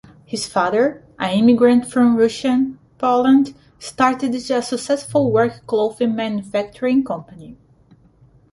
His father, an immigrant from Russian Poland, started a successful work-clothing manufacturing company.